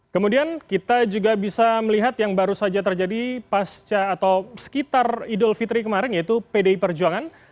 kemudian kita juga bisa melihat yang baru saja terjadi pasca atau sekitar idul fitri kemarin yaitu pdi perjuangan